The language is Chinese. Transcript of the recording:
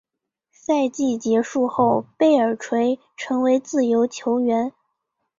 赛季结束后贝尔垂成为自由球员。